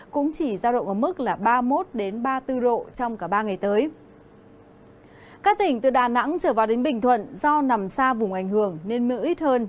các tỉnh từ đà nẵng trở vào đến bình thuận do nằm xa vùng ảnh hưởng nên mưa ít hơn